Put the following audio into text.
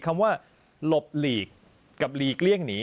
คำว่าหลบหลีกกับหลีกเลี่ยงหนี